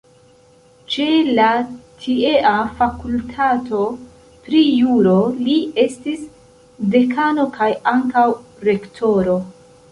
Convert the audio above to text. Ĉe la tiea fakultato pri juro li estis dekano kaj ankaŭ rektoro.